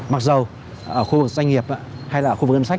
mặc dù ở khu vực doanh nghiệp hay là khu vực doanh nghiệp